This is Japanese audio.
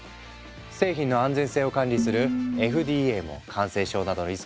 製品の安全性を管理するＦＤＡも感染症などのリスクを考え